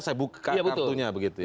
saya buka kartunya begitu ya